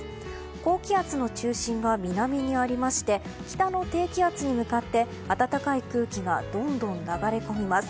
高気圧の中心が南にありまして北の低気圧に向かって暖かい空気がどんどん流れ込みます。